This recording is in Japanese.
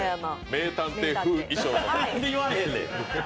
名探偵風衣装です。